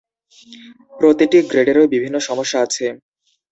প্রতিটি গ্রেডেরই বিভিন্ন সমস্যা আছে।